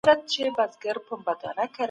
هغه وويل چي عزت ساتل ضروري دي.